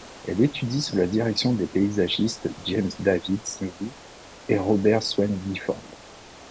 Elle étudie sous la direction des paysagistes James David Smillie et Robert Swain Gifford.